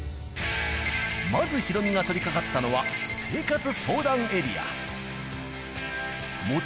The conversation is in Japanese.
まず、ヒロミが取りかかったのは、生活相談エリア。